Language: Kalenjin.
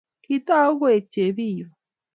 kitau koek chepiywa